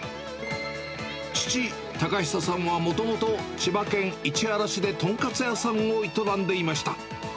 父、高久さんはもともと、千葉県市原市で豚カツ屋さんを営んでいました。